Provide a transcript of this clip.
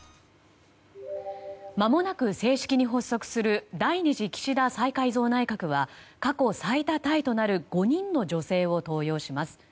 まもなく正式に発足する第２次岸田再改造内閣は過去最高タイとなる５人の女性を登用します。